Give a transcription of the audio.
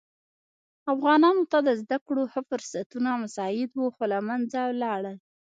افغانانو ته د زده کړو ښه فرصتونه مساعد وه خو له منځه ولاړل.